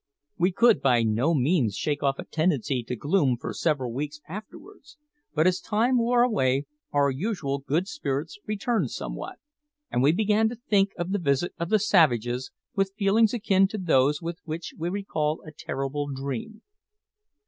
We could by no means shake off a tendency to gloom for several weeks afterwards; but as time wore away, our usual good spirits returned somewhat, and we began to think of the visit of the savages with feelings akin to those with which we recall a terrible dream.